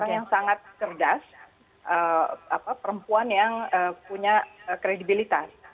yang sangat kerdas perempuan yang punya kredibilitas